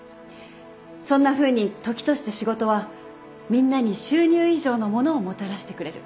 そんなふうに時として仕事はみんなに収入以上のものをもたらしてくれる。